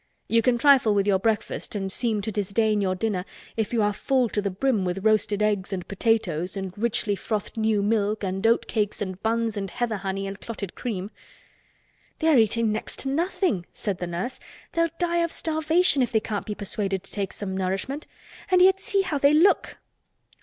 You can trifle with your breakfast and seem to disdain your dinner if you are full to the brim with roasted eggs and potatoes and richly frothed new milk and oatcakes and buns and heather honey and clotted cream. "They are eating next to nothing," said the nurse. "They'll die of starvation if they can't be persuaded to take some nourishment. And yet see how they look."